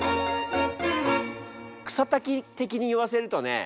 草滝的に言わせるとね